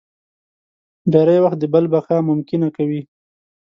ډېری وخت د بل بقا ممکنه کوي.